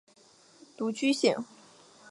独居性。